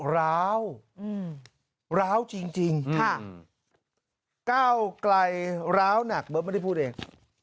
ล้าวล้าวจริงค่ะเก้าไกลร้าวว์หนักหรอไม่ได้พูดเอง